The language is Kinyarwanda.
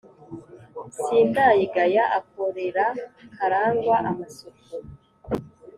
Sindayigaya akorera karangwa amasuku